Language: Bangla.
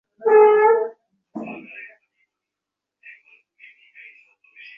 যখন তাহাতেও কুলাইত না তখন বলিত পরমাণু।